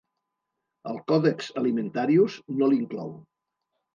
El Codex Alimentarius no l'inclou.